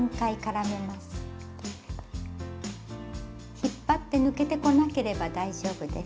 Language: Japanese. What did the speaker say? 引っ張って抜けてこなければ大丈夫です。